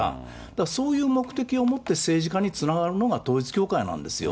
だからそういう目的を持って政治家につながるのが統一教会なんですよ。